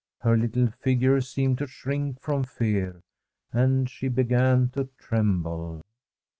Her little figure seemed to shrink from fear, and she began to tremble.